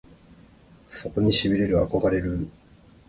そこに痺れる憧れるぅ！！